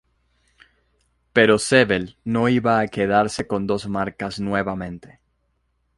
Pero Sevel, no iba a quedarse con dos marcas nuevamente.